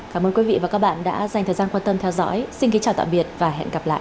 cảm ơn quý vị và các bạn đã dành thời gian quan tâm theo dõi xin kính chào tạm biệt và hẹn gặp lại